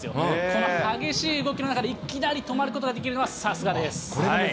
この激しい動きの中で、いきなり止まることができるのはさすがです。